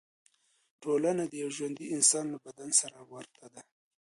ټولنه د یو ژوندي انسان له بدن سره ورته ده.